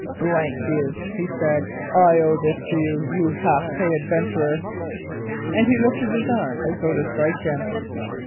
"Damn you," he said, "I owe this to you—you half pay adventurer," and he lifted his arm as though to strike him.